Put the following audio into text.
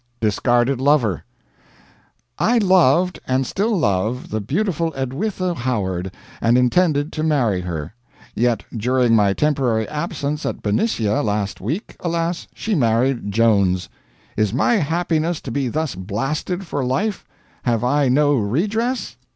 "DISCARDED LOVER." "I loved, and still love, the beautiful Edwitha Howard, and intended to marry her. Yet, during my temporary absence at Benicia, last week, alas! she married Jones. Is my happiness to be thus blasted for life? Have I no redress?"